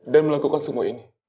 dan melakukan semua ini